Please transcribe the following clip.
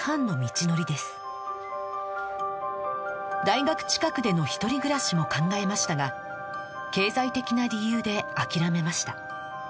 大学近くでの一人暮らしも考えましたが経済的な理由で諦めました